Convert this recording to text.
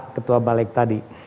ketua baleg tadi